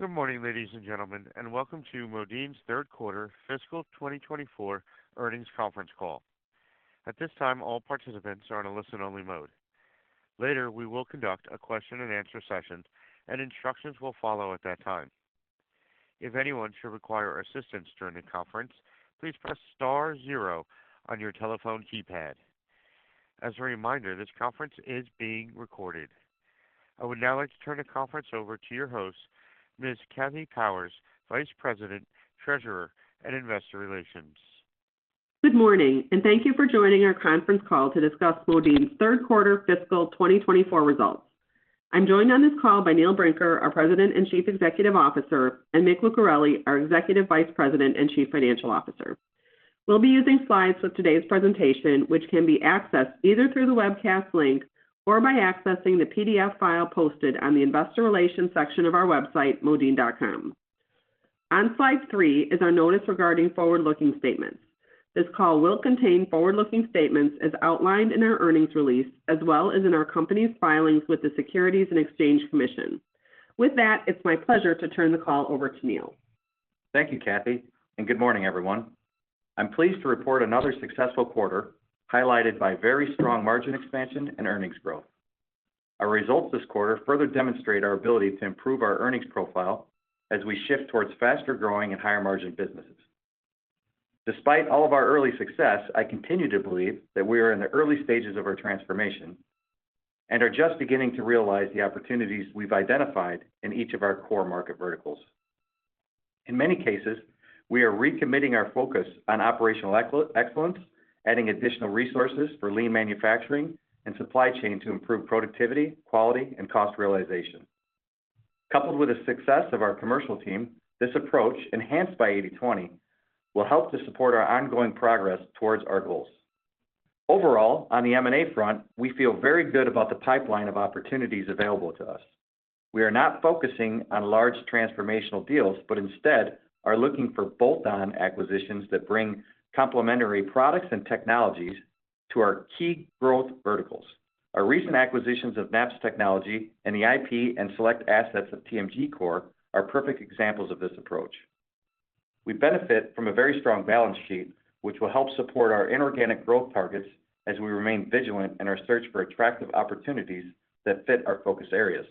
Good morning, ladies and gentlemen, and welcome to Modine's Third Quarter fiscal 2024 Earnings Conference Call. At this time, all participants are on a listen-only mode. Later, we will conduct a question and answer session, and instructions will follow at that time. If anyone should require assistance during the conference, please press star zero on your telephone keypad. As a reminder, this conference is being recorded. I would now like to turn the conference over to your host, Ms. Kathy Powers, Vice President, Treasurer and Investor Relations. Good morning, and thank you for joining our conference call to discuss Modine's third quarter fiscal 2024 results. I'm joined on this call by Neil Brinker, our President and Chief Executive Officer, and Mick Lucareli, our Executive Vice President and Chief Financial Officer. We'll be using slides for today's presentation, which can be accessed either through the webcast link or by accessing the PDF file posted on the investor relations section of our website, modine.com. On slide 3 is our notice regarding forward-looking statements. This call will contain forward-looking statements as outlined in our earnings release, as well as in our company's filings with the Securities and Exchange Commission. With that, it's my pleasure to turn the call over to Neil. Thank you, Kathy, and good morning, everyone. I'm pleased to report another successful quarter, highlighted by very strong margin expansion and earnings growth. Our results this quarter further demonstrate our ability to improve our earnings profile as we shift towards faster-growing and higher-margin businesses. Despite all of our early success, I continue to believe that we are in the early stages of our transformation and are just beginning to realize the opportunities we've identified in each of our core market verticals. In many cases, we are recommitting our focus on operational excellence, adding additional resources for lean manufacturing and supply chain to improve productivity, quality, and cost realization. Coupled with the success of our commercial team, this approach, enhanced by 80/20, will help to support our ongoing progress towards our goals. Overall, on the M&A front, we feel very good about the pipeline of opportunities available to us. We are not focusing on large transformational deals, but instead are looking for bolt-on acquisitions that bring complementary products and technologies to our key growth verticals. Our recent acquisitions of Napps Technology and the IP and select assets of TMGcore are perfect examples of this approach. We benefit from a very strong balance sheet, which will help support our inorganic growth targets as we remain vigilant in our search for attractive opportunities that fit our focus areas.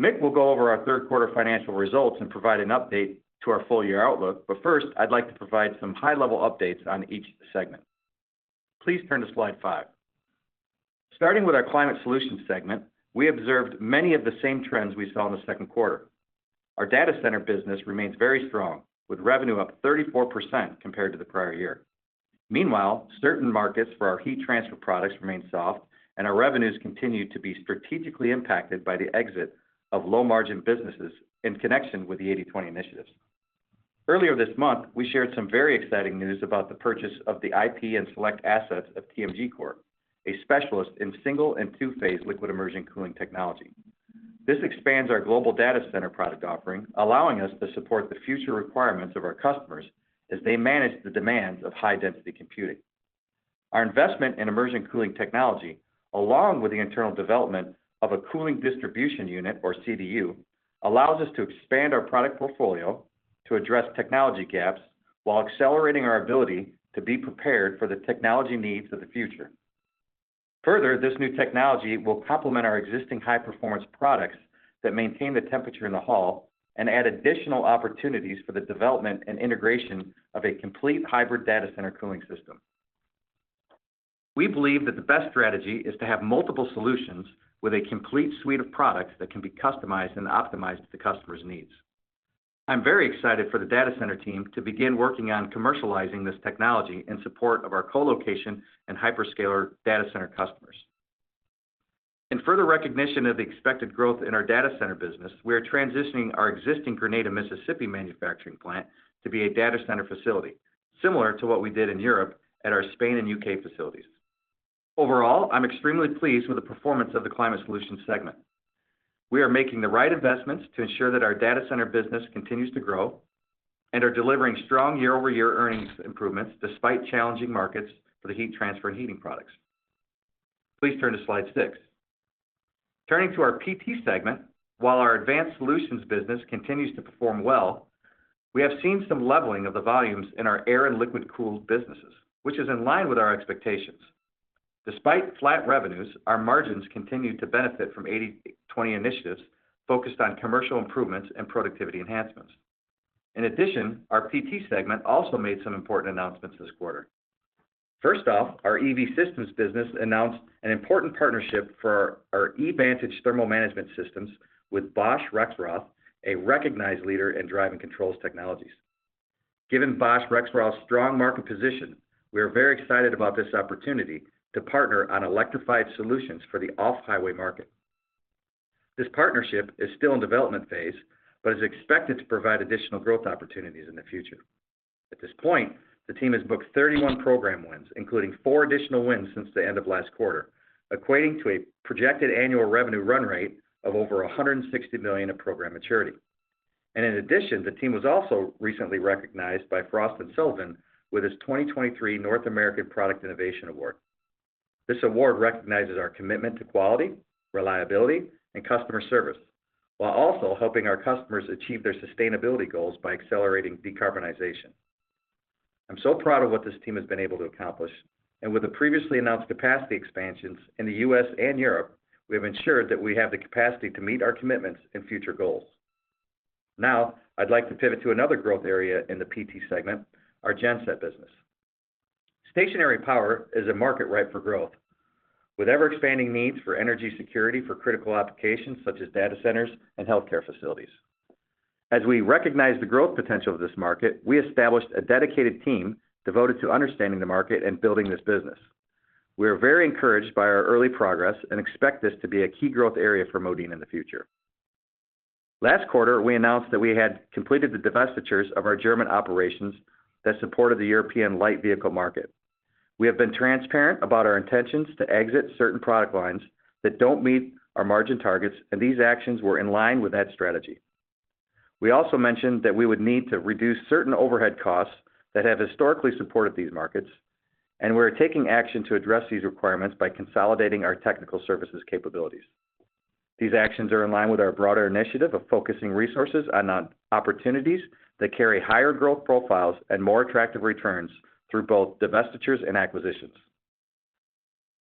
Mick will go over our third quarter financial results and provide an update to our full-year outlook. But first, I'd like to provide some high-level updates on each segment. Please turn to slide 5. Starting with our Climate Solutions segment, we observed many of the same trends we saw in the second quarter. Our data center business remains very strong, with revenue up 34% compared to the prior year. Meanwhile, certain markets for our heat transfer products remain soft, and our revenues continue to be strategically impacted by the exit of low-margin businesses in connection with the 80/20 initiatives. Earlier this month, we shared some very exciting news about the purchase of the IP and select assets of TMGcore, a specialist in single and two-phase liquid immersion cooling technology. This expands our global data center product offering, allowing us to support the future requirements of our customers as they manage the demands of high-density computing. Our investment in immersion cooling technology, along with the internal development of a cooling distribution unit, or CDU, allows us to expand our product portfolio to address technology gaps while accelerating our ability to be prepared for the technology needs of the future. Further, this new technology will complement our existing high-performance products that maintain the temperature in the hall and add additional opportunities for the development and integration of a complete hybrid data center cooling system. We believe that the best strategy is to have multiple solutions with a complete suite of products that can be customized and optimized to the customer's needs. I'm very excited for the data center team to begin working on commercializing this technology in support of our colocation and hyperscaler data center customers. In further recognition of the expected growth in our data center business, we are transitioning our existing Grenada, Mississippi, manufacturing plant to be a data center facility, similar to what we did in Europe at our Spain and U.K. facilities. Overall, I'm extremely pleased with the performance of the Climate Solutions segment. We are making the right investments to ensure that our data center business continues to grow and are delivering strong year-over-year earnings improvements, despite challenging markets for the heat transfer and heating products. Please turn to slide 6. Turning to our PT segment, while our advanced solutions business continues to perform well, we have seen some leveling of the volumes in our air and liquid-cooled businesses, which is in line with our expectations. Despite flat revenues, our margins continued to benefit from 80/20 initiatives focused on commercial improvements and productivity enhancements. In addition, our PT segment also made some important announcements this quarter. First off, our EV Systems business announced an important partnership for our EVantage Thermal Management Systems with Bosch Rexroth, a recognized leader in drive and controls technologies. Given Bosch Rexroth's strong market position, we are very excited about this opportunity to partner on electrified solutions for the off-highway market. This partnership is still in development phase, but is expected to provide additional growth opportunities in the future. At this point, the team has booked 31 program wins, including four additional wins since the end of last quarter, equating to a projected annual revenue run rate of over $160 million of program maturity. In addition, the team was also recently recognized by Frost & Sullivan with its 2023 North American Product Innovation Award. This award recognizes our commitment to quality, reliability, and customer service, while also helping our customers achieve their sustainability goals by accelerating decarbonization. I'm so proud of what this team has been able to accomplish, and with the previously announced capacity expansions in the U.S. and Europe, we have ensured that we have the capacity to meet our commitments and future goals. Now, I'd like to pivot to another growth area in the PT segment, our genset business. Stationary power is a market ripe for growth, with ever-expanding needs for energy security for critical applications, such as data centers and healthcare facilities. As we recognize the growth potential of this market, we established a dedicated team devoted to understanding the market and building this business. We are very encouraged by our early progress, and expect this to be a key growth area for Modine in the future. Last quarter, we announced that we had completed the divestitures of our German operations that supported the European light vehicle market. We have been transparent about our intentions to exit certain product lines that don't meet our margin targets, and these actions were in line with that strategy. We also mentioned that we would need to reduce certain overhead costs that have historically supported these markets, and we're taking action to address these requirements by consolidating our technical services capabilities. These actions are in line with our broader initiative of focusing resources on opportunities that carry higher growth profiles and more attractive returns through both divestitures and acquisitions.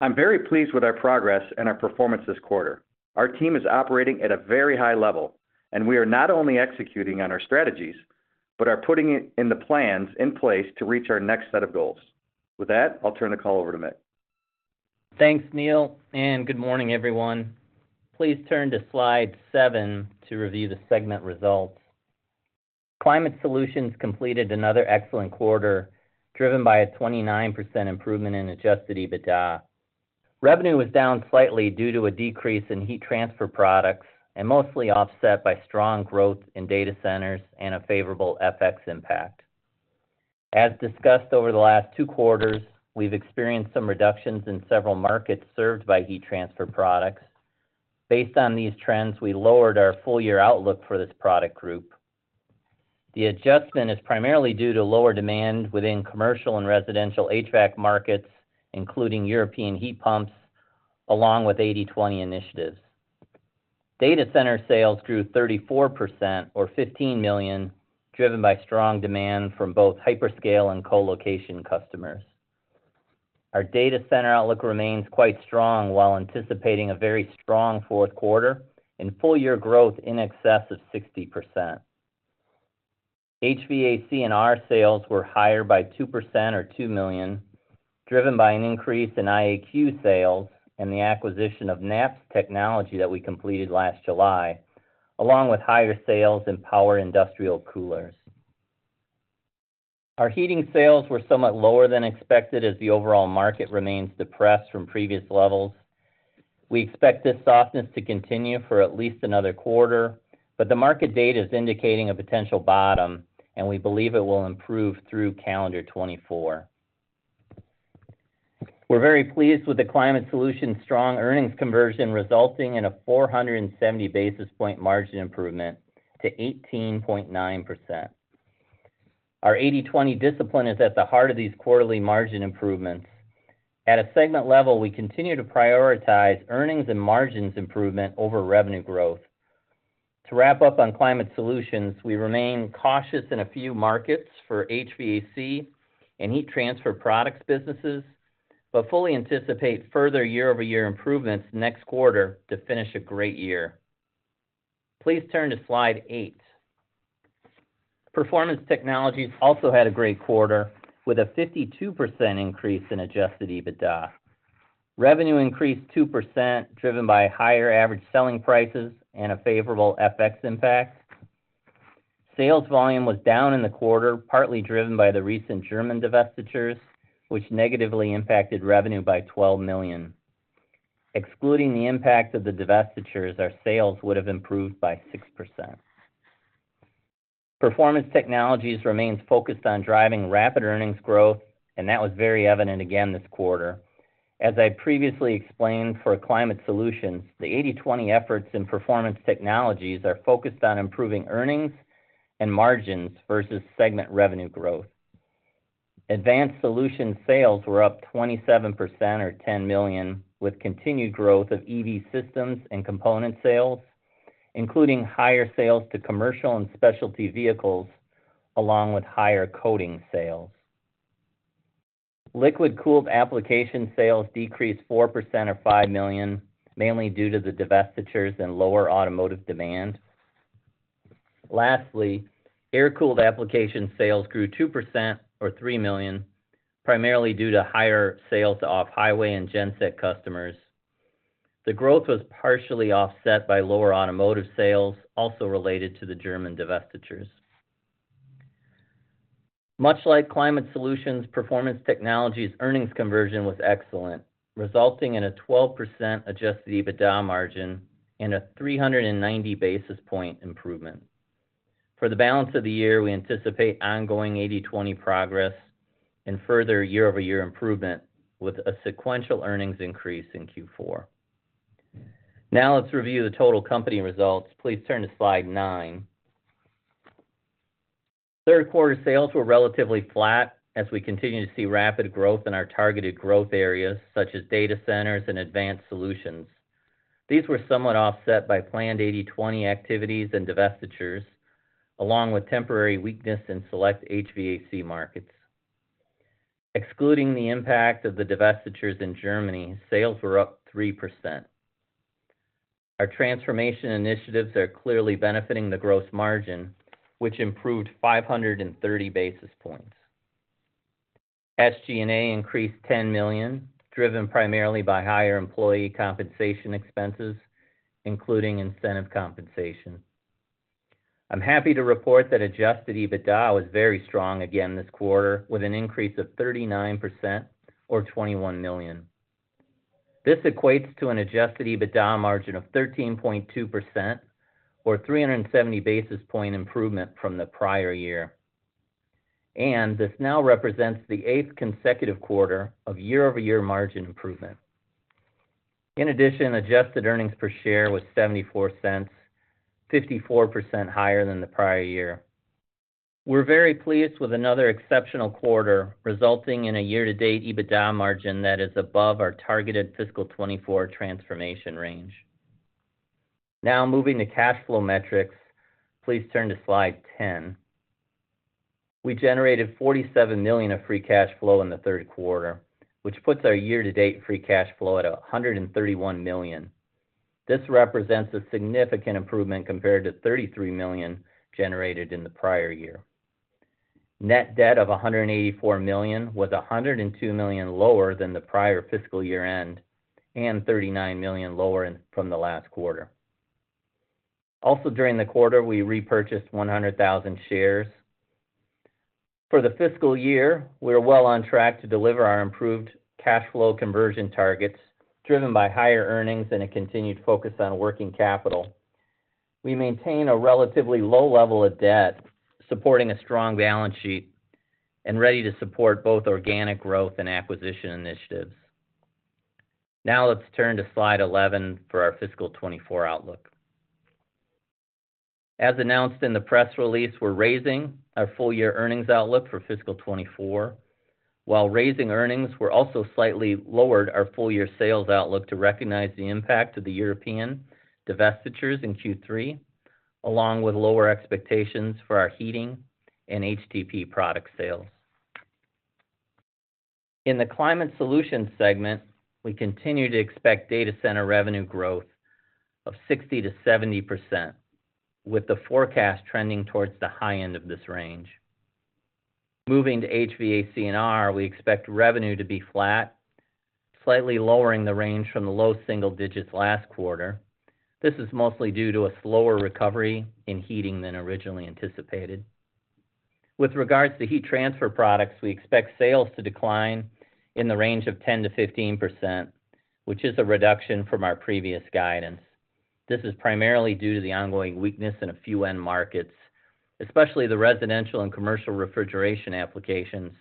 I'm very pleased with our progress and our performance this quarter. Our team is operating at a very high level, and we are not only executing on our strategies, but are putting in the plans in place to reach our next set of goals. With that, I'll turn the call over to Mick. Thanks, Neil, and good morning, everyone. Please turn to Slide 7 to review the segment results. Climate Solutions completed another excellent quarter, driven by a 29% improvement in Adjusted EBITDA. Revenue was down slightly due to a decrease in heat transfer products, and mostly offset by strong growth in data centers and a favorable FX impact. As discussed over the last 2 quarters, we've experienced some reductions in several markets served by heat transfer products. Based on these trends, we lowered our full year outlook for this product group. The adjustment is primarily due to lower demand within commercial and residential HVAC markets, including European heat pumps, along with 80/20 initiatives. Data center sales grew 34% or $15 million, driven by strong demand from both hyperscale and colocation customers. Our data center outlook remains quite strong, while anticipating a very strong fourth quarter and full year growth in excess of 60%. HVAC&R sales were higher by 2% or $2 million, driven by an increase in IAQ sales and the acquisition of Napps Technology that we completed last July, along with higher sales and power industrial coolers. Our heating sales were somewhat lower than expected, as the overall market remains depressed from previous levels. We expect this softness to continue for at least another quarter, but the market data is indicating a potential bottom, and we believe it will improve through calendar 2024. We're very pleased with the Climate Solutions' strong earnings conversion, resulting in a 470 basis point margin improvement to 18.9%. Our 80/20 discipline is at the heart of these quarterly margin improvements. At a segment level, we continue to prioritize earnings and margins improvement over revenue growth. To wrap up on Climate Solutions, we remain cautious in a few markets for HVAC and heat transfer products businesses, but fully anticipate further year-over-year improvements next quarter to finish a great year. Please turn to Slide 8. Performance Technologies also had a great quarter, with a 52% increase in Adjusted EBITDA . Revenue increased 2%, driven by higher average selling prices and a favorable FX impact. Sales volume was down in the quarter, partly driven by the recent German divestitures, which negatively impacted revenue by $12 million. Excluding the impact of the divestitures, our sales would have improved by 6%. Performance Technologies remains focused on driving rapid earnings growth, and that was very evident again this quarter. As I previously explained for Climate Solutions, the 80/20 efforts in Performance Technologies are focused on improving earnings and margins versus segment revenue growth. Advanced Solution sales were up 27% or $10 million, with continued growth of EV systems and component sales, including higher sales to commercial and specialty vehicles, along with higher coating sales. Liquid-cooled application sales decreased 4% or $5 million, mainly due to the divestitures and lower automotive demand. Lastly, air-cooled application sales grew 2% or $3 million, primarily due to higher sales to off-highway and genset customers. The growth was partially offset by lower automotive sales, also related to the German divestitures. Much like Climate Solutions, Performance Technologies' earnings conversion was excellent, resulting in a 12% Adjusted EBITDA margin and a 390 basis point improvement. For the balance of the year, we anticipate ongoing 80/20 progress and further year-over-year improvement, with a sequential earnings increase in Q4. Now, let's review the total company results. Please turn to Slide 9. Third quarter sales were relatively flat as we continue to see rapid growth in our targeted growth areas, such as data centers and advanced solutions. These were somewhat offset by planned 80/20 activities and divestitures, along with temporary weakness in select HVAC markets. Excluding the impact of the divestitures in Germany, sales were up 3%. Our transformation initiatives are clearly benefiting the gross margin, which improved 530 basis points. SG&A increased $10 million, driven primarily by higher employee compensation expenses, including incentive compensation. I'm happy to report that Adjusted EBITDA was very strong again this quarter, with an increase of 39% or $21 million. This equates to an Adjusted EBITDA margin of 13.2% or 370 basis points improvement from the prior year. This now represents the eighth consecutive quarter of year-over-year margin improvement. In addition, adjusted earnings per share was $0.74, 54% higher than the prior year. We're very pleased with another exceptional quarter, resulting in a year-to-date EBITDA margin that is above our targeted fiscal 2024 transformation range. Now, moving to cash flow metrics. Please turn to slide 10. We generated $47 million of free cash flow in the third quarter, which puts our year-to-date free cash flow at $131 million. This represents a significant improvement compared to $33 million generated in the prior year. Net debt of $184 million, was $102 million lower than the prior fiscal year-end, and $39 million lower from the last quarter. Also, during the quarter, we repurchased 100,000 shares. For the fiscal year, we are well on track to deliver our improved cash flow conversion targets, driven by higher earnings and a continued focus on working capital. We maintain a relatively low level of debt, supporting a strong balance sheet, and ready to support both organic growth and acquisition initiatives. Now, let's turn to slide 11 for our fiscal 2024 outlook. As announced in the press release, we're raising our full-year earnings outlook for fiscal 2024. While raising earnings, we're also slightly lowered our full-year sales outlook to recognize the impact of the European divestitures in Q3, along with lower expectations for our heating and HTP product sales. In the climate solutions segment, we continue to expect data center revenue growth of 60%-70%, with the forecast trending towards the high end of this range. Moving to HVAC&R, we expect revenue to be flat, slightly lowering the range from the low single digits last quarter. This is mostly due to a slower recovery in heating than originally anticipated. With regards to heat transfer products, we expect sales to decline in the range of 10%-15%, which is a reduction from our previous guidance. This is primarily due to the ongoing weakness in a few end markets, especially the residential and commercial refrigeration applications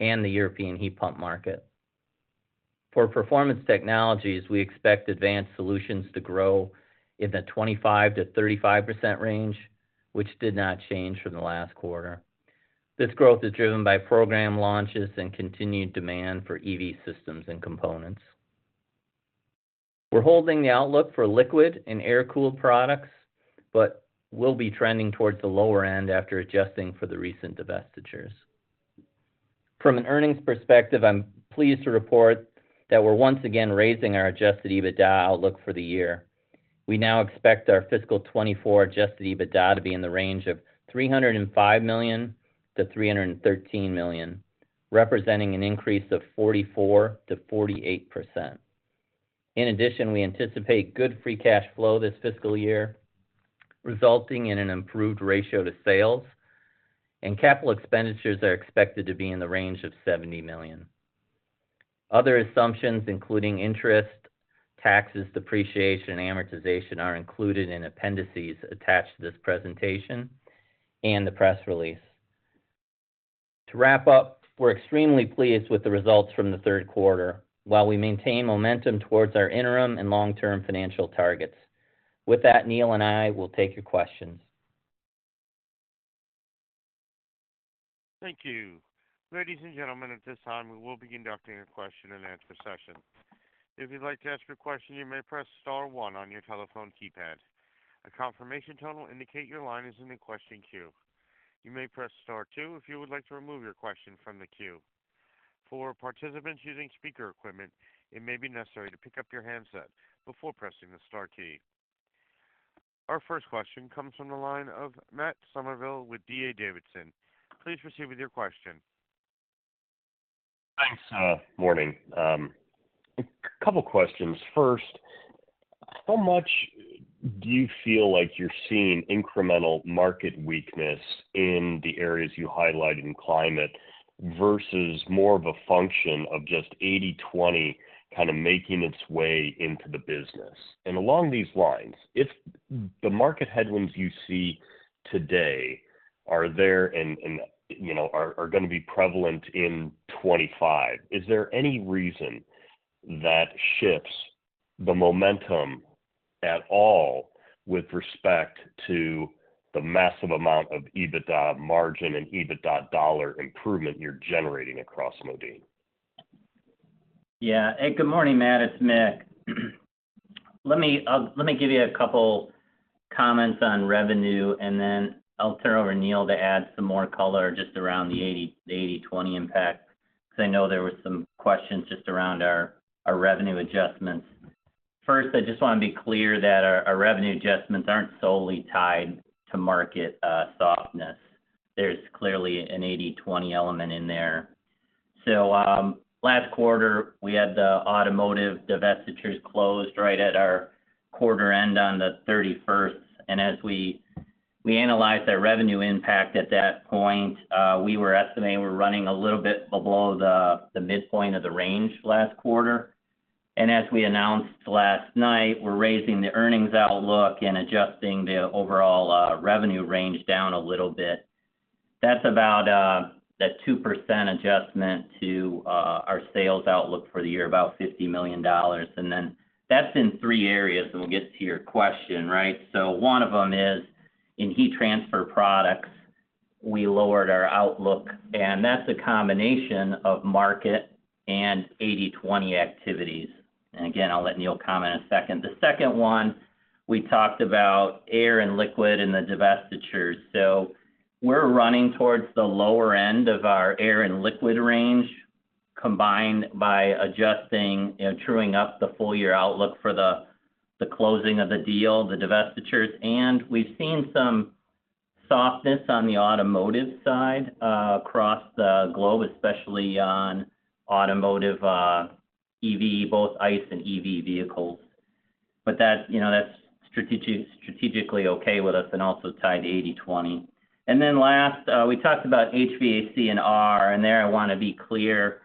and the European heat pump market. For performance technologies, we expect advanced solutions to grow in the 25%-35% range, which did not change from the last quarter. This growth is driven by program launches and continued demand for EV systems and components. We're holding the outlook for liquid and air-cooled products, but will be trending towards the lower end after adjusting for the recent divestitures. From an earnings perspective, I'm pleased to report that we're once again raising our Adjusted EBITDA outlook for the year. We now expect our fiscal 2024 Adjusted EBITDA to be in the range of $305 million-$313 million, representing an increase of 44%-48%. In addition, we anticipate good free cash flow this fiscal year, resulting in an improved ratio to sales, and capital expenditures are expected to be in the range of $70 million. Other assumptions, including interest, taxes, depreciation, and amortization, are included in appendices attached to this presentation and the press release. To wrap up, we're extremely pleased with the results from the third quarter, while we maintain momentum towards our interim and long-term financial targets. With that, Neil and I will take your questions. Thank you. Ladies and gentlemen, at this time, we will be conducting a question-and-answer session. If you'd like to ask your question, you may press star one on your telephone keypad. A confirmation tone will indicate your line is in the question queue. You may press star two if you would like to remove your question from the queue. For participants using speaker equipment, it may be necessary to pick up your handset before pressing the star key. Our first question comes from the line of Matt Summerville with D.A. Davidson. Please proceed with your question. Thanks, morning. A couple questions. First, how much do you feel like you're seeing incremental market weakness in the areas you highlighted in climate versus more of a function of just 80/20 kind of making its way into the business? And along these lines, if the market headwinds you see today are there and you know are gonna be prevalent in 2025, is there any reason that shifts the momentum at all with respect to the massive amount of EBITDA margin and EBITDA dollar improvement you're generating across Modine? Yeah. And good morning, Matt, it's Mick. Let me give you a couple comments on revenue, and then I'll turn over to Neil to add some more color just around the 80/20 impact, because I know there were some questions just around our, our revenue adjustments. First, I just want to be clear that our, our revenue adjustments aren't solely tied to market softness. There's clearly an 80/20 element in there. So, last quarter, we had the automotive divestitures closed right at our quarter end on the 31st. And as we, we analyzed that revenue impact at that point, we were estimating we're running a little bit below the, the midpoint of the range last quarter. And as we announced last night, we're raising the earnings outlook and adjusting the overall, revenue range down a little bit. That's about that 2% adjustment to our sales outlook for the year, about $50 million. And then that's in three areas, and we'll get to your question, right? So one of them is in heat transfer products, we lowered our outlook, and that's a combination of market and 80/20 activities. And again, I'll let Neil comment in a second. The second one, we talked about air and liquid in the divestitures. So we're running towards the lower end of our air and liquid range, combined by adjusting, you know, truing up the full year outlook for the closing of the deal, the divestitures. And we've seen some softness on the automotive side across the globe, especially on automotive, EV, both ICE and EV vehicles. But that's, you know, that's strategically okay with us, and also tied to 80/20. Then last, we talked about HVAC&R, and there I want to be clear,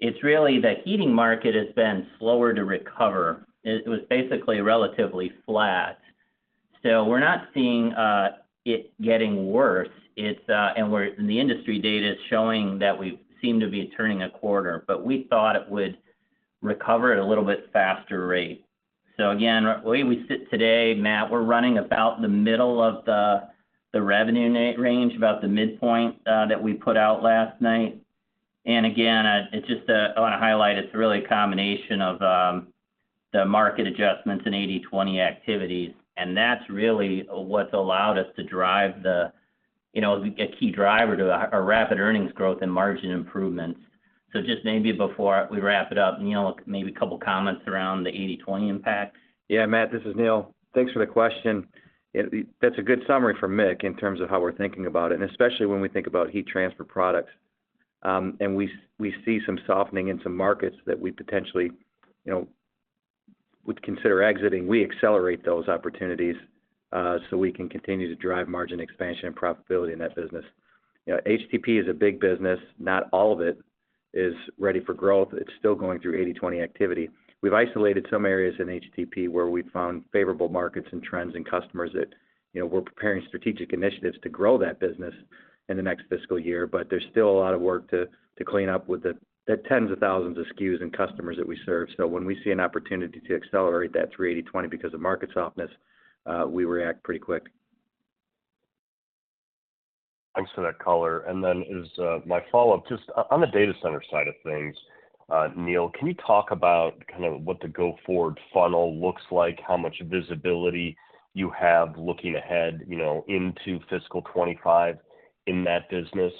it's really the heating market has been slower to recover. It was basically relatively flat. So we're not seeing it getting worse, it's, and we're, and the industry data is showing that we seem to be turning a corner, but we thought it would recover at a little bit faster rate. So again, where we sit today, Matt, we're running about the middle of the revenue range, about the midpoint, that we put out last night. And again, it's just a... I want to highlight, it's really a combination of the market adjustments in 80/20 activities, and that's really what's allowed us to drive the, you know, a key driver to a rapid earnings growth and margin improvements. Just maybe before we wrap it up, Neil, maybe a couple of comments around the 80/20 impact. Yeah, Matt, this is Neil. Thanks for the question. That's a good summary from Mick in terms of how we're thinking about it, and especially when we think about heat transfer products. And we, we see some softening in some markets that we potentially, you know, would consider exiting. We accelerate those opportunities, so we can continue to drive margin expansion and profitability in that business. You know, HTP is a big business. Not all of it is ready for growth. It's still going through 80/20 activity. We've isolated some areas in HTP where we've found favorable markets and trends and customers that, you know, we're preparing strategic initiatives to grow that business in the next fiscal year, but there's still a lot of work to, to clean up with the, the tens of thousands of SKUs and customers that we serve. So when we see an opportunity to accelerate that through 80/20 because of market softness, we react pretty quick. Thanks for that color. And then as my follow-up, just on the data center side of things, Neil, can you talk about kind of what the go-forward funnel looks like, how much visibility you have looking ahead, you know, into fiscal 25 in that business?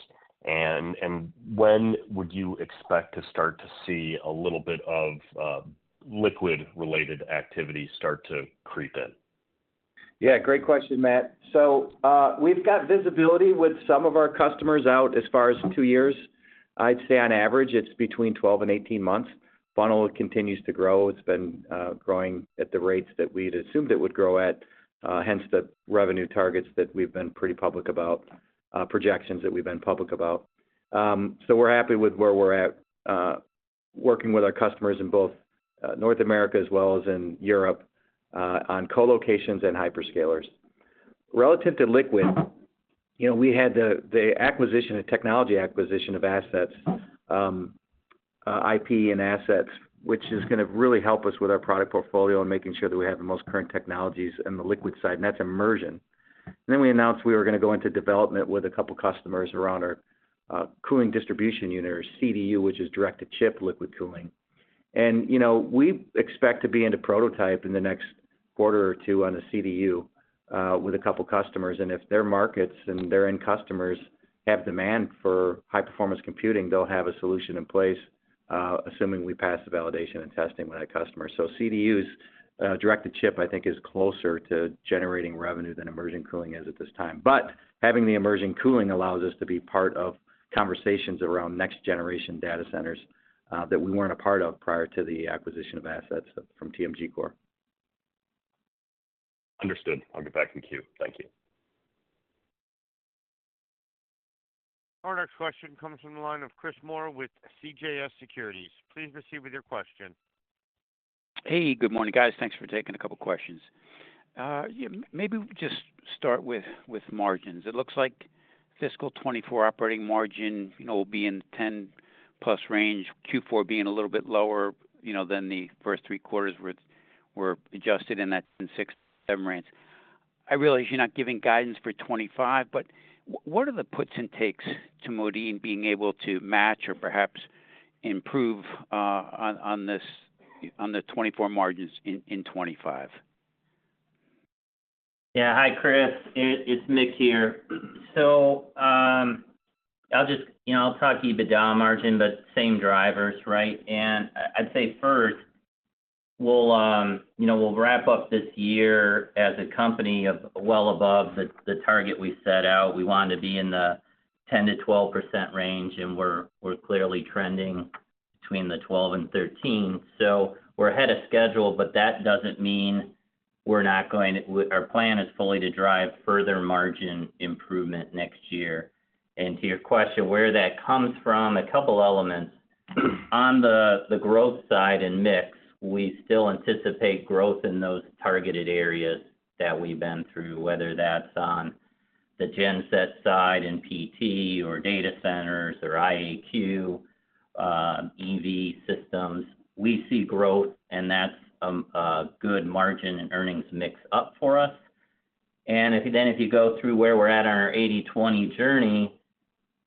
And when would you expect to start to see a little bit of liquid-related activity start to creep in? Yeah, great question, Matt. So, we've got visibility with some of our customers out as far as two years. I'd say on average, it's between 12 and 18 months. Funnel continues to grow. It's been growing at the rates that we'd assumed it would grow at, hence the revenue targets that we've been pretty public about, projections that we've been public about. So we're happy with where we're at, working with our customers in both, North America as well as in Europe, on colocations and hyperscalers. Relative to liquid, you know, we had the technology acquisition of assets, IP and assets, which is going to really help us with our product portfolio and making sure that we have the most current technologies in the liquid side, and that's immersion. Then we announced we were going to go into development with a couple of customers around our cooling distribution unit or CDU, which is direct-to-chip liquid cooling. And, you know, we expect to be in the prototype in the next quarter or two on a CDU with a couple of customers, and if their markets and their end customers have demand for high-performance computing, they'll have a solution in place, assuming we pass the validation and testing with that customer. So CDU's direct-to-chip, I think, is closer to generating revenue than emerging cooling is at this time. But having the emerging cooling allows us to be part of conversations around next-generation data centers that we weren't a part of prior to the acquisition of assets from TMGcore. Understood. I'll get back in queue. Thank you. Our next question comes from the line of Chris Moore with CJS Securities. Please proceed with your question. Hey, good morning, guys. Thanks for taking a couple of questions. Yeah, maybe just start with margins. It looks like fiscal 2024 operating margin, you know, will be in the 10+ range, Q4 being a little bit lower, you know, than the first three quarters, which were adjusted in that 6-7 range. I realize you're not giving guidance for 2025, but what are the puts and takes to Modine being able to match or perhaps improve on the 2024 margins in 2025? Yeah. Hi, Chris. It's Mick here. So, I'll just, you know, I'll talk EBITDA margin, but same drivers, right? And I'd say first, we'll, you know, we'll wrap up this year as a company of well above the target we set out. We wanted to be in the 10%-12% range, and we're clearly trending between the 12% and 13%. So we're ahead of schedule, but that doesn't mean we're not going to. Our plan is fully to drive further margin improvement next year. And to your question, where that comes from, a couple elements. On the growth side and mix, we still anticipate growth in those targeted areas that we've been through, whether that's on the genset side in PT, or data centers, or IAQ, EV systems. We see growth, and that's a good margin and earnings mix up for us. And if you go through where we're at on our 80/20 journey,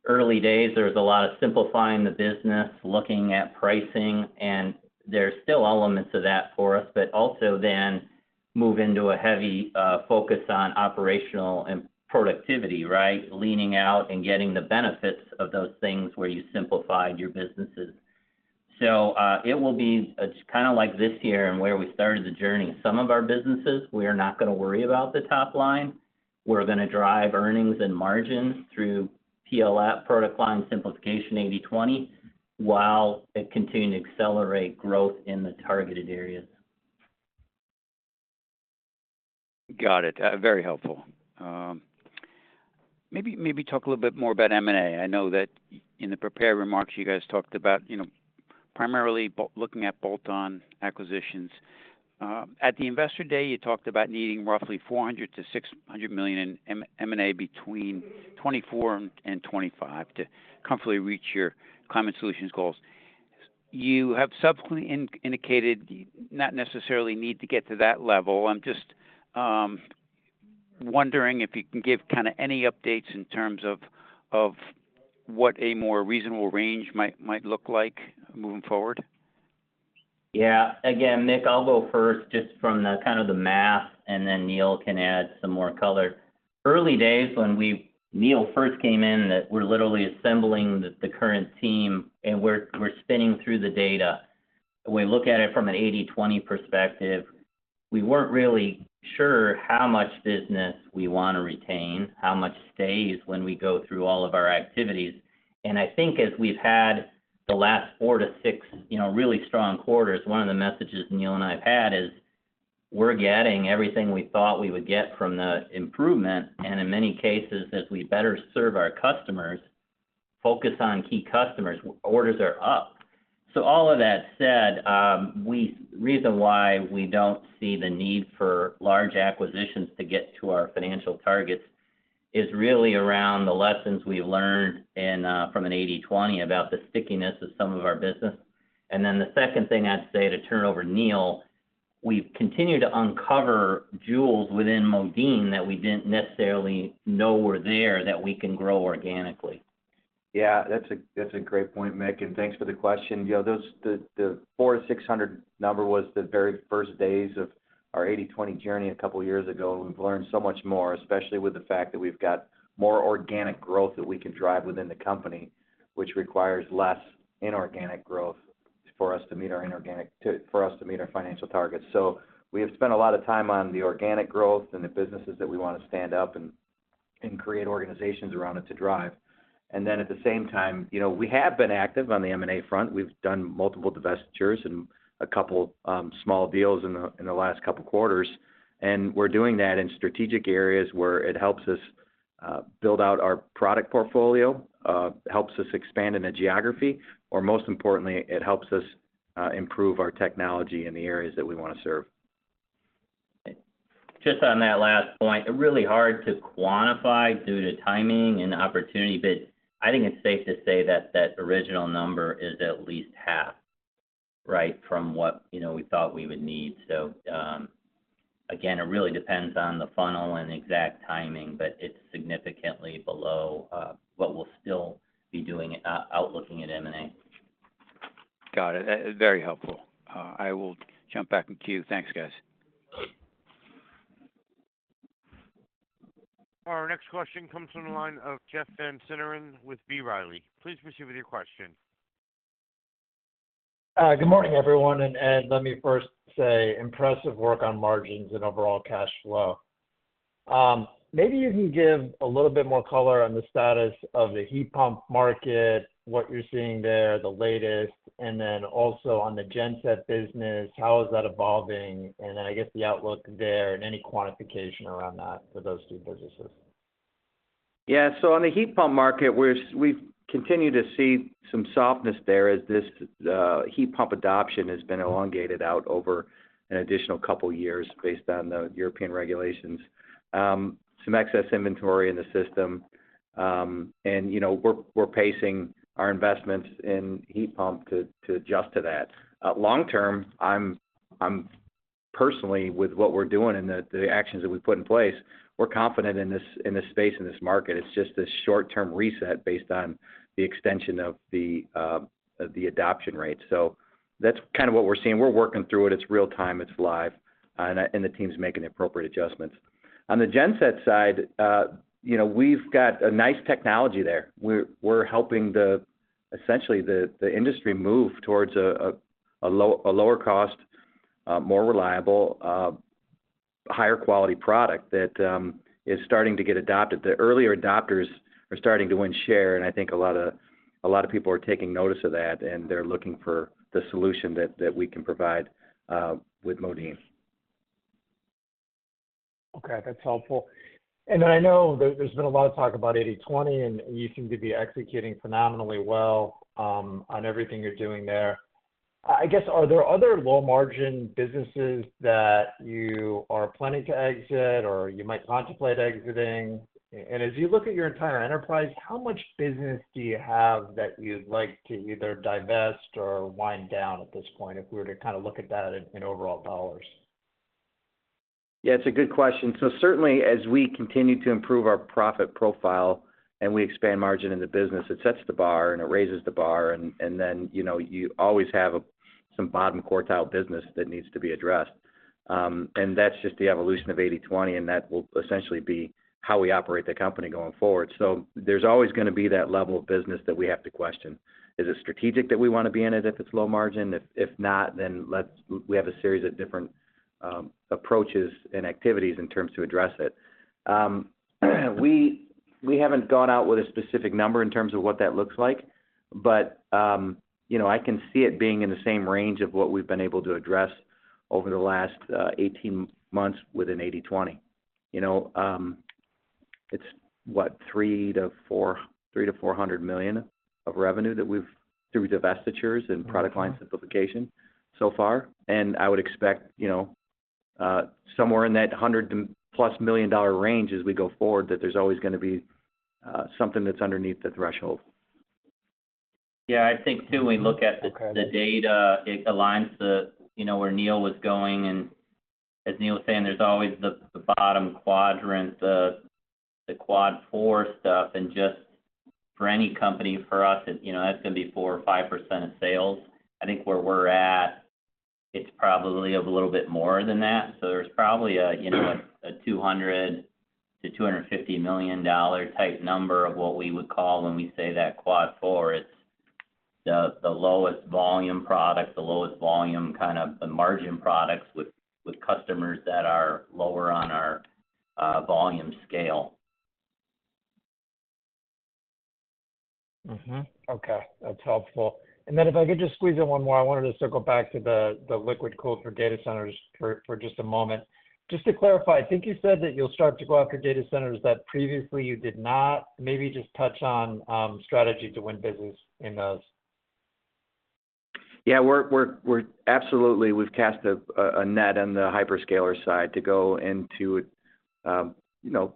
early days, there was a lot of simplifying the business, looking at pricing, and there's still elements of that for us, but also then move into a heavy focus on operational and productivity, right? Leaning out and getting the benefits of those things where you simplified your businesses. So, it will be, it's kind of like this year and where we started the journey. Some of our businesses, we are not going to worry about the top line. We're going to drive earnings and margins through PLS, product line simplification 80/20, while it continue to accelerate growth in the targeted areas. Got it. Very helpful. Maybe, maybe talk a little bit more about M&A. I know that in the prepared remarks, you guys talked about, you know, primarily looking at bolt-on acquisitions. At the Investor Day, you talked about needing roughly $400 million-$600 million in M&A between 2024 and 2025 to comfortably reach your climate solutions goals. You have subsequently indicated you not necessarily need to get to that level. I'm just wondering if you can give kind of any updates in terms of what a more reasonable range might look like moving forward. Yeah. Again, Mick, I'll go first just from the kind of the math, and then Neil can add some more color. Early days, when Neil first came in, that we're literally assembling the current team, and we're spinning through the data. We look at it from an 80/20 perspective. We weren't really sure how much business we want to retain, how much stays when we go through all of our activities. And I think as we've had the last 4-6, you know, really strong quarters, one of the messages Neil and I have had is, we're getting everything we thought we would get from the improvement, and in many cases, as we better serve our customers, focus on key customers, orders are up. So all of that said, reason why we don't see the need for large acquisitions to get to our financial targets is really around the lessons we've learned from an 80/20 about the stickiness of some of our business. And then the second thing I'd say, to turn it over to Neil, we've continued to uncover jewels within Modine that we didn't necessarily know were there, that we can grow organically. Yeah, that's a great point, Mick, and thanks for the question. You know, those the 400-600 number was the very first days of our 80/20 journey a couple of years ago. We've learned so much more, especially with the fact that we've got more organic growth that we can drive within the company, which requires less inorganic growth for us to meet our financial targets. So we have spent a lot of time on the organic growth and the businesses that we want to stand up and create organizations around it to drive. And then at the same time, you know, we have been active on the M&A front. We've done multiple divestitures and a couple small deals in the last couple of quarters. And we're doing that in strategic areas where it helps us build out our product portfolio, helps us expand in a geography, or most importantly, it helps us improve our technology in the areas that we want to serve. Just on that last point, really hard to quantify due to timing and opportunity, but I think it's safe to say that that original number is at least half, right? From what, you know, we thought we would need. So, again, it really depends on the funnel and exact timing, but it's significantly below what we'll still be doing outlooking at M&A. Got it. Very helpful. I will jump back to you. Thanks, guys. Our next question comes from the line of Jeff Van Sinderen with B. Riley. Please proceed with your question. Good morning, everyone. Let me first say impressive work on margins and overall cash flow. Maybe you can give a little bit more color on the status of the heat pump market, what you're seeing there, the latest, and then also on the genset business, how is that evolving? And then, I guess, the outlook there and any quantification around that for those two businesses. Yeah, so on the heat pump market, we've continued to see some softness there as this heat pump adoption has been elongated out over an additional couple of years based on the European regulations. Some excess inventory in the system, and, you know, we're pacing our investments in heat pump to adjust to that. Long term, I'm personally, with what we're doing and the actions that we've put in place, we're confident in this space, in this market. It's just this short-term reset based on the extension of the adoption rate. So that's kind of what we're seeing. We're working through it. It's real-time, it's live, and the team's making the appropriate adjustments. On the genset side, you know, we've got a nice technology there. We're helping essentially the industry move towards a lower cost, more reliable, higher quality product that is starting to get adopted. The earlier adopters are starting to win share, and I think a lot of people are taking notice of that, and they're looking for the solution that we can provide with Modine. Okay, that's helpful. And then I know there, there's been a lot of talk about 80/20, and you seem to be executing phenomenally well, on everything you're doing there. I guess, are there other low-margin businesses that you are planning to exit or you might contemplate exiting? And as you look at your entire enterprise, how much business do you have that you'd like to either divest or wind down at this point, if we were to kind of look at that in overall dollars? Yeah, it's a good question. So certainly, as we continue to improve our profit profile and we expand margin in the business, it sets the bar, and it raises the bar, and then, you know, you always have some bottom quartile business that needs to be addressed. And that's just the evolution of 80/20, and that will essentially be how we operate the company going forward. So there's always gonna be that level of business that we have to question: Is it strategic that we want to be in it if it's low margin? If not, then let's, we have a series of different approaches and activities in terms to address it. We, we haven't gone out with a specific number in terms of what that looks like, but, you know, I can see it being in the same range of what we've been able to address over the last 18 months with an 80/20. You know, it's what? $300 million-$400 million of revenue that we've, through divestitures and product line simplification so far. And I would expect, you know, somewhere in that $100+ million-dollar range as we go forward, that there's always gonna be something that's underneath the threshold. Yeah, I think, too, when we look at the- Okay. The data, it aligns to, you know, where Neil was going. And as Neil was saying, there's always the bottom quadrant, the Quad 4 stuff, and just for any company, for us, it. You know, that's gonna be 4% or 5% of sales. I think where we're at, it's probably a little bit more than that. So there's probably, you know, a $200 million-$250 million type number of what we would call when we say that Quad 4. It's the lowest volume product, the lowest volume, kind of the margin products with customers that are lower on our volume scale. Okay, that's helpful. And then if I could just squeeze in one more. I wanted to circle back to the liquid cooler for data centers for just a moment. Just to clarify, I think you said that you'll start to go after data centers that previously you did not. Maybe just touch on strategy to win business in those. Yeah, we're absolutely, we've cast a net on the hyperscaler side to go into, you know,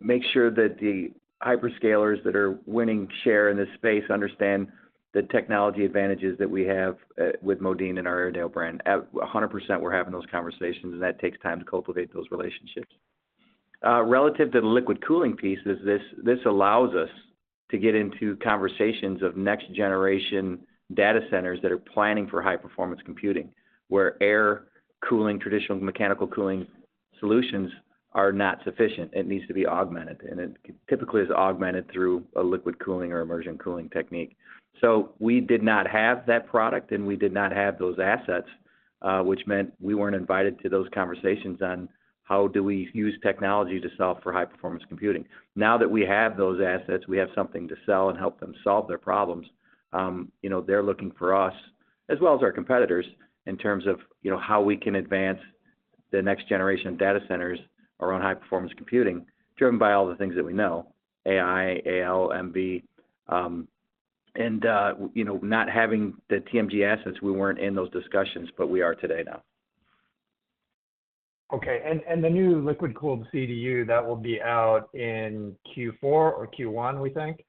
make sure that the hyperscalers that are winning share in this space understand the technology advantages that we have with Modine and our Airedale brand. 100%, we're having those conversations, and that takes time to cultivate those relationships. Relative to the liquid cooling piece, this allows us to get into conversations of next-generation data centers that are planning for high-performance computing, where air cooling, traditional mechanical cooling solutions are not sufficient, it needs to be augmented, and it typically is augmented through a liquid cooling or immersion cooling technique. So we did not have that product, and we did not have those assets, which meant we weren't invited to those conversations on how do we use technology to solve for high-performance computing. Now that we have those assets, we have something to sell and help them solve their problems, you know, they're looking for us, as well as our competitors, in terms of, you know, how we can advance the next generation of data centers around high-performance computing, driven by all the things that we know: AI, ML, MB. And, you know, not having the TMG assets, we weren't in those discussions, but we are today now. Okay. And the new liquid-cooled CDU, that will be out in Q4 or Q1, we think?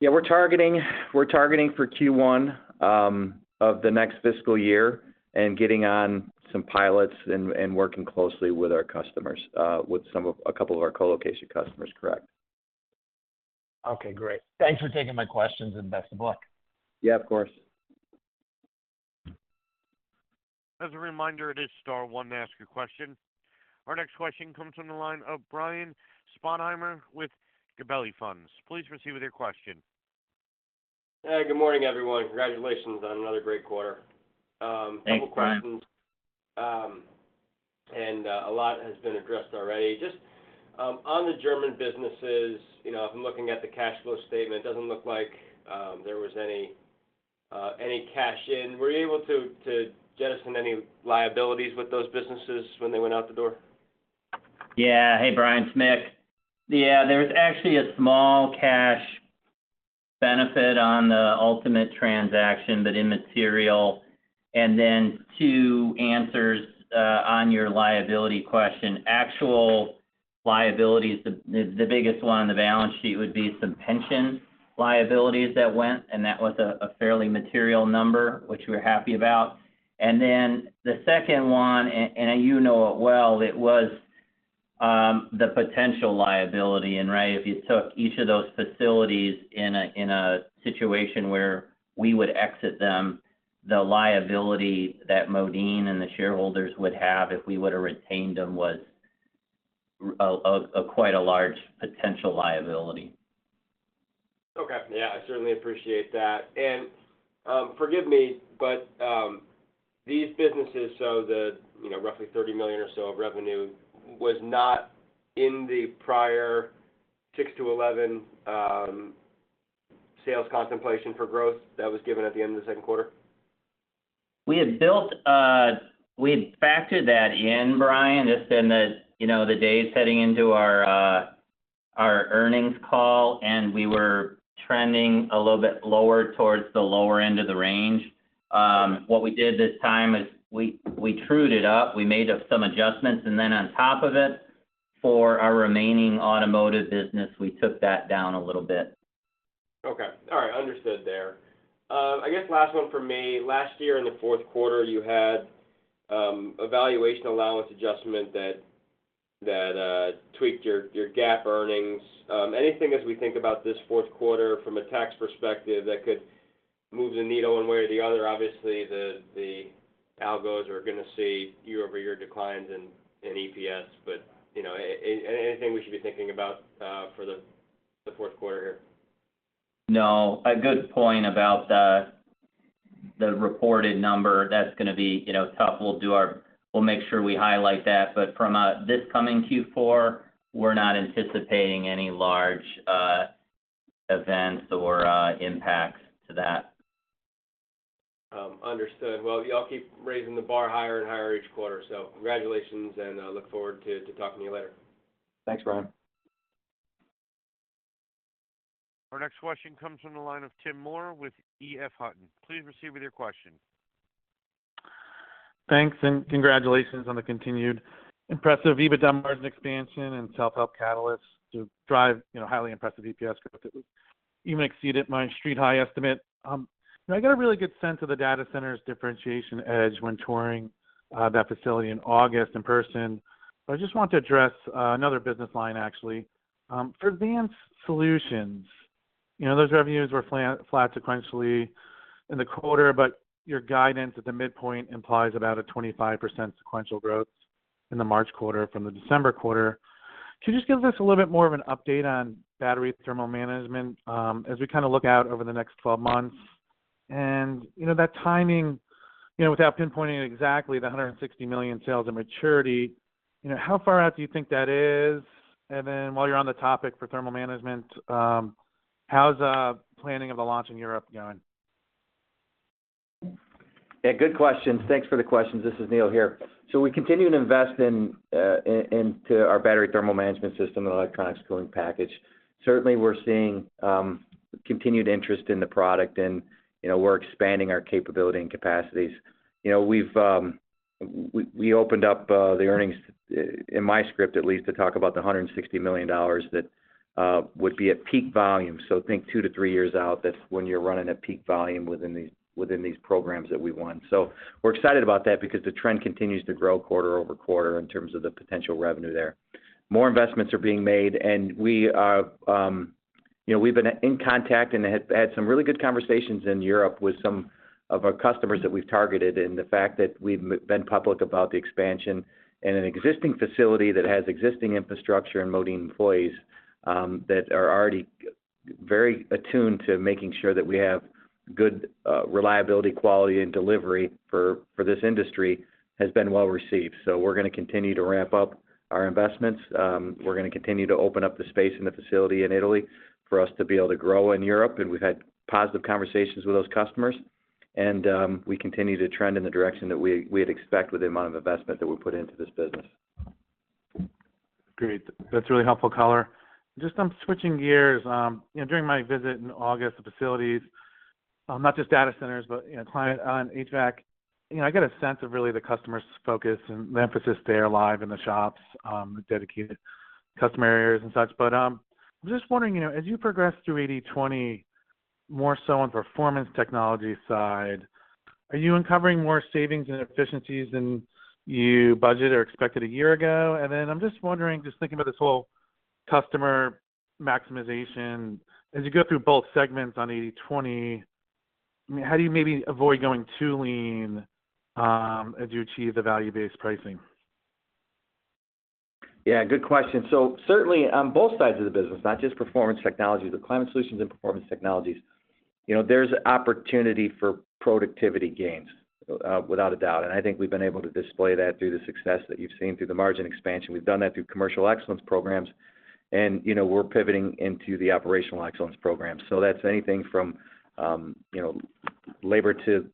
Yeah, we're targeting for Q1 of the next fiscal year and getting on some pilots and working closely with our customers with some of a couple of our colocation customers. Correct. Okay, great. Thanks for taking my questions, and best of luck. Yeah, of course. As a reminder, it is star one to ask a question. Our next question comes from the line of Brian Sponheimer with Gabelli Funds. Please proceed with your question. Good morning, everyone. Congratulations on another great quarter. Thanks, Brian. A couple questions, and a lot has been addressed already. Just, on the German businesses, you know, I'm looking at the cash flow statement. It doesn't look like there was any cash in. Were you able to jettison any liabilities with those businesses when they went out the door? Yeah. Hey, Brian, it's Mick. Yeah, there's actually a small cash benefit on the ultimate transaction, but immaterial. And then two answers on your liability question. Actual liabilities, the biggest one on the balance sheet would be some pension liabilities that went, and that was a fairly material number, which we're happy about. And then the second one, and you know it well, it was the potential liability. And right, if you took each of those facilities in a situation where we would exit them, the liability that Modine and the shareholders would have if we would have retained them was quite a large potential liability. Okay. Yeah, I certainly appreciate that. And, forgive me, but, these businesses, so the, you know, roughly $30 million or so of revenue was not in the prior 6-11, sales contemplation for growth that was given at the end of the second quarter? We had factored that in, Brian, just in the, you know, the days heading into our, our earnings call, and we were trending a little bit lower towards the lower end of the range. What we did this time is we trued it up, we made up some adjustments, and then on top of it, for our remaining automotive business, we took that down a little bit. Okay. All right, understood there. I guess last one for me. Last year in the fourth quarter, you had a valuation allowance adjustment that tweaked your GAAP earnings. Anything as we think about this fourth quarter from a tax perspective that could move the needle one way or the other? Obviously, the algos are going to see year-over-year declines in EPS, but, you know, anything we should be thinking about for the fourth quarter here? No, a good point about the reported number. That's going to be, you know, tough. We'll do our... We'll make sure we highlight that. But from this coming Q4, we're not anticipating any large events or impacts to that. Understood. Well, you all keep raising the bar higher and higher each quarter, so congratulations, and look forward to talking to you later. Thanks, Brian. Our next question comes from the line of Tim Moore with EF Hutton. Please proceed with your question. Thanks, and congratulations on the continued impressive EBITDA margin expansion and self-help catalysts to drive, you know, highly impressive EPS growth. You even exceeded my street high estimate. Now, I got a really good sense of the data center's differentiation edge when touring that facility in August in person, but I just want to address another business line, actually. For advanced solutions, you know, those revenues were flat sequentially in the quarter, but your guidance at the midpoint implies about a 25% sequential growth in the March quarter from the December quarter. Can you just give us a little bit more of an update on battery thermal management as we kind of look out over the next 12 months? And you know, that timing, you know, without pinpointing exactly the $160 million sales and maturity, you know, how far out do you think that is? And then while you're on the topic for thermal management, how's planning of the launch in Europe going? Yeah, good questions. Thanks for the questions. This is Neil here. So we continue to invest in, in, into our battery thermal management system and electronic cooling package. Certainly, we're seeing, continued interest in the product, and, you know, we're expanding our capability and capacities. You know, we've, we, we opened up, the earnings, in my script, at least, to talk about the $160 million that, would be at peak volume. So think 2-3 years out, that's when you're running at peak volume within these, within these programs that we won. So we're excited about that because the trend continues to grow quarter-over-quarter in terms of the potential revenue there. More investments are being made, and we are, you know, we've been in contact and had some really good conversations in Europe with some of our customers that we've targeted. And the fact that we've been public about the expansion and an existing facility that has existing infrastructure and Modine employees, that are already very attuned to making sure that we have good reliability, quality, and delivery for this industry, has been well received. So we're going to continue to ramp up our investments. We're going to continue to open up the space in the facility in Italy for us to be able to grow in Europe, and we've had positive conversations with those customers. And we continue to trend in the direction that we'd expect with the amount of investment that we put into this business. Great. That's a really helpful color. Just switching gears, you know, during my visit in August, the facilities, not just data centers, but, you know, Climate and HVAC. You know, I got a sense of really the customer's focus and the emphasis there live in the shops, dedicated customer areas and such. But, I'm just wondering, you know, as you progress through 80/20, more so on performance technology side, are you uncovering more savings and efficiencies than you budgeted or expected a year ago? And then I'm just wondering, just thinking about this whole customer maximization, as you go through both segments on 80/20, how do you maybe avoid going too lean, as you achieve the value-based pricing? Yeah, good question. So certainly, on both sides of the business, not just Performance Technologies, but Climate Solutions and Performance Technologies, you know, there's opportunity for productivity gains without a doubt. And I think we've been able to display that through the success that you've seen through the margin expansion. We've done that through commercial excellence programs, and, you know, we're pivoting into the operational excellence program. So that's anything from, you know, labor to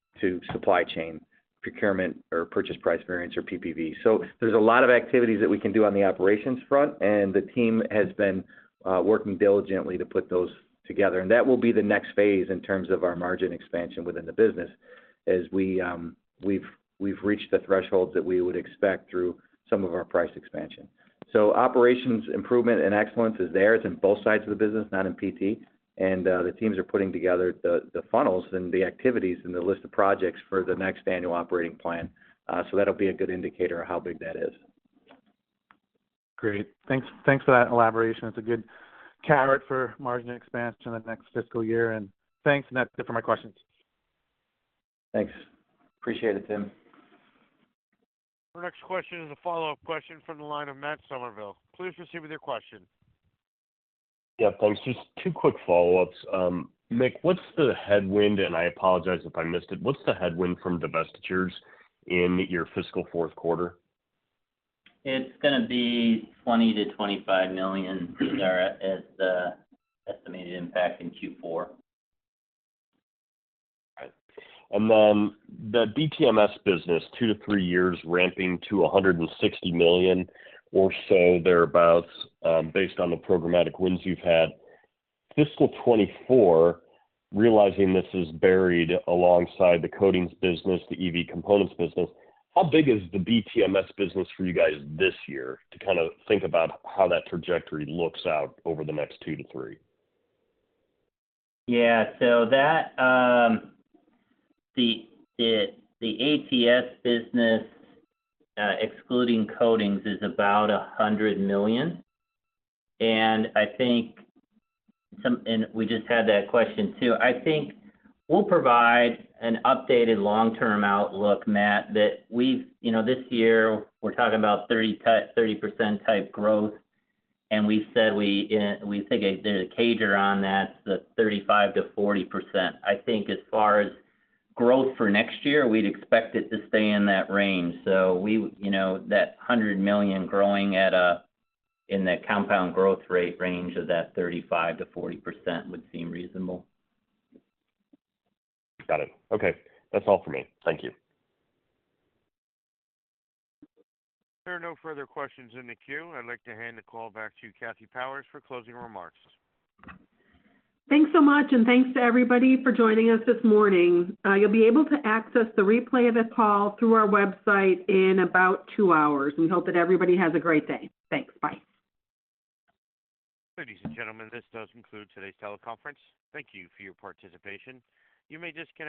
supply chain, procurement or purchase price variance or PPV. So there's a lot of activities that we can do on the operations front, and the team has been working diligently to put those together. And that will be the next phase in terms of our margin expansion within the business, as we, we've reached the thresholds that we would expect through some of our price expansion. So operations improvement and excellence is there. It's in both sides of the business, not in PT. And the teams are putting together the funnels and the activities and the list of projects for the next annual operating plan. So that'll be a good indicator of how big that is. Great. Thanks, thanks for that elaboration. It's a good carrot for margin expansion in the next fiscal year, and thanks, and that's it for my questions. Thanks. Appreciate it, Tim. Our next question is a follow-up question from the line of Matt Summerville. Please proceed with your question. Yeah, thanks. Just two quick follow-ups. Mick, what's the headwind, and I apologize if I missed it, what's the headwind from divestitures in your fiscal fourth quarter? It's gonna be $20 million-$25 million is the estimated impact in Q4. All right. And then the BTMS business, 2-3 years ramping to $160 million or so thereabout, based on the programmatic wins you've had. Fiscal 2024, realizing this is buried alongside the coatings business, the EV components business, how big is the BTMS business for you guys this year, to kind of think about how that trajectory looks out over the next 2-3? Yeah. So that, the ATS business, excluding coatings, is about $100 million. And I think—and we just had that question, too. I think we'll provide an updated long-term outlook, Matt, that we've... You know, this year, we're talking about 30-type, 30% type growth, and we said we take the CAGR on that, the 35%-40%. I think as far as growth for next year, we'd expect it to stay in that range. So we, you know, that $100 million growing at a, in that compound growth rate range of that 35%-40% would seem reasonable. Got it. Okay. That's all for me. Thank you. There are no further questions in the queue. I'd like to hand the call back to you, Kathy Powers, for closing remarks. Thanks so much, and thanks to everybody for joining us this morning. You'll be able to access the replay of this call through our website in about two hours. We hope that everybody has a great day. Thanks. Bye. Ladies and gentlemen, this does conclude today's teleconference. Thank you for your participation. You may disconnect.